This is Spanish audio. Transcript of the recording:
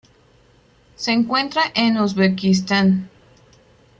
Se encuentra en Uzbekistán.